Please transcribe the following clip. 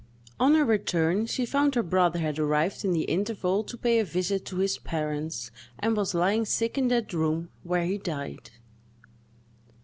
On her return, she found her brother had arrived in the interval to pay a visit to his parents, and was lying sick in that room, where he died.